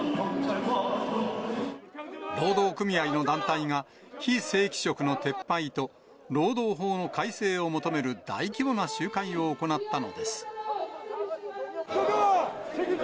労働組合の団体が、非正規職の撤廃と労働法の改正を求める大規模な集会を行ったのです。